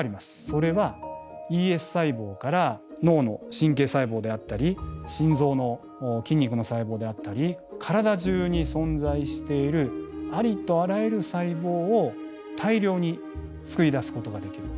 それはＥＳ細胞から脳の神経細胞であったり心臓の筋肉の細胞であったり体中に存在しているありとあらゆる細胞を大量につくり出すことができる。